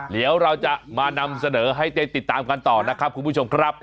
เดี๋ยวเราจะมานำเสนอให้ได้ติดตามกันต่อนะครับคุณผู้ชมครับ